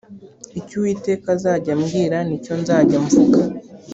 icyo uwiteka azajya ambwira ni cyo nzajya mvuga